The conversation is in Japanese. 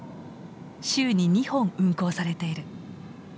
週に２本運行されている。